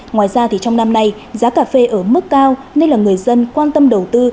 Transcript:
ngoài ra thì trong năm nay giá cà phê ở mức cao nên là người dân quan tâm đầu tư